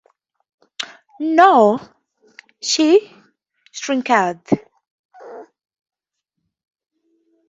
‘No!’ she shrieked.